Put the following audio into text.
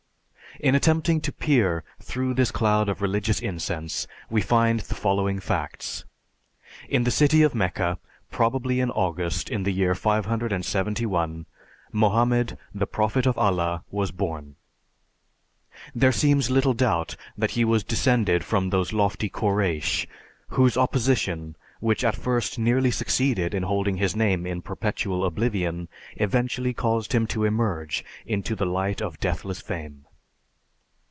In attempting to peer through this cloud of religious incense we find the following facts: In the city of Mecca, probably in August, in the year 571, Mohammed, the Prophet of Allah, was born. There seems little doubt that he was descended from those lofty Koreish, whose opposition, which at first nearly succeeded in holding his name in perpetual oblivion, eventually caused him to emerge into the light of deathless fame.